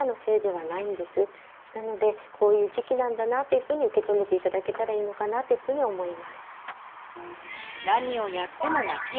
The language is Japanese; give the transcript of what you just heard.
なのでこういう時期なんだなというふうに受け止めて頂けたらいいのかなというふうに思います。